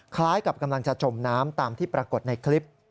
คล้ายกับกำลังจะจมน้ำตามที่ปรากฏในคลิป